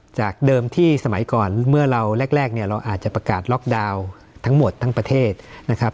จากเดิมที่สมัยก่อนเมื่อเราแรกเนี่ยเราอาจจะประกาศล็อกดาวน์ทั้งหมดทั้งประเทศนะครับ